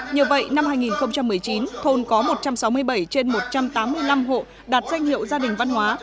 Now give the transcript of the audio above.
nhờ vậy năm hai nghìn một mươi chín thôn có một trăm sáu mươi bảy trên một trăm tám mươi năm hộ đạt danh hiệu gia đình văn hóa